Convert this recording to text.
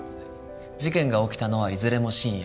事件が起きたのはいずれも深夜。